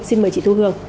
xin mời chị thu hương